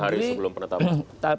dua hari sebelum penetapan